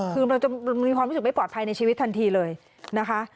คือเราจะมีความรู้สึกไม่ปลอดภัยในชีวิตทันทีเลยนะคะ